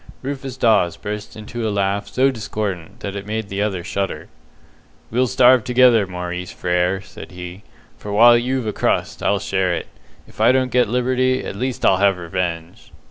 Rufus Dawes burst into a laugh so discordant that it made the other shudder. "We'll starve together, Maurice Frere," said he, "for while you've a crust, I'll share it. If I don't get liberty, at least I'll have revenge!"